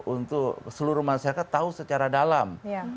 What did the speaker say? untuk seluruh masyarakat tahu secara dalam